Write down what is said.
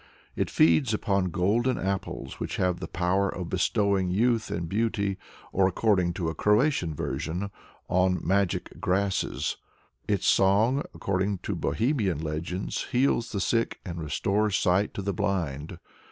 It feeds upon golden apples which have the power of bestowing youth and beauty, or according to a Croatian version, on magic grasses. Its song, according to Bohemian legends, heals the sick and restores sight to the blind.